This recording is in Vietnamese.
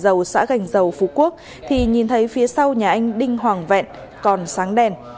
khi đoạn đường thuộc tổ một mươi ấp gành dầu phú quốc thì nhìn thấy phía sau nhà anh đinh hoàng vẹn còn sáng đèn